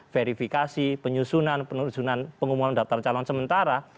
verifikasi penyusunan penyusunan pengumuman daftar calon sementara